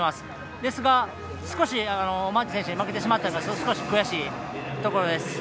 ですが、マーティン選手に負けてしまったからそれは少し悔しいところです。